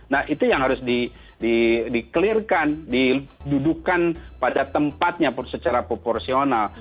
nah itu yang harus di clear kan didudukan pada tempatnya secara proporsional